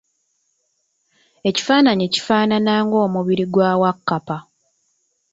Ekifananyi kifaanana ng'omubiri gwa Wakkapa.